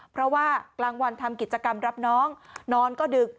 เพราะว่ากลางวันทำกิจกรรมรับน้องนอนก็ดึก